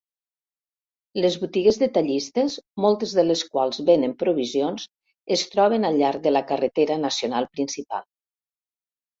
Les botigues detallistes, moltes de les quals venen provisions, es troben al llarg de la carretera nacional principal.